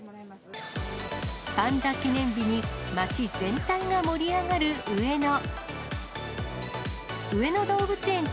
パンダ記念日に、街全体が盛り上がる上野。